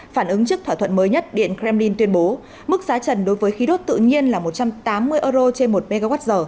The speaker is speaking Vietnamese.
phản ứng trước thỏa thuận mới nhất điện kremlin tuyên bố mức giá trần đối với khí đốt tự nhiên là một trăm tám mươi euro trên một mwh